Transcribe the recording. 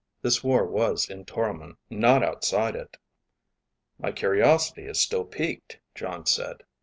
This war is in Toromon, not outside it." "My curiosity is still peaked," Jon said.